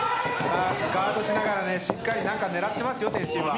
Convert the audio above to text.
ガードしながらしっかり中を狙ってますよ、天心は。